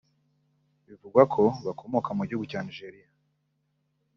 bivugwako bakomoka mu gihugu cya Nigeria